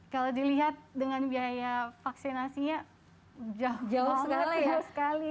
kalau dilihat dengan biaya vaksinasinya jauh jauh sekali